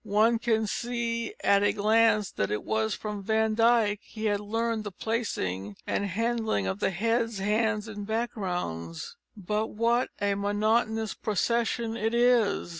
One can see at a glance that it was from Van Dyck he had learned the placing and handling of the heads, hands, and backgrounds, but what a monotonous procession it is.